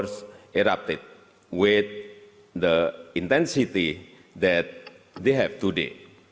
saya dan penjahat penjahat saya berdua